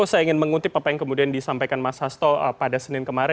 saya ingin mengutip apa yang kemudian disampaikan mas hasto pada senin kemarin